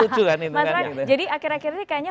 jadi akhir akhir ini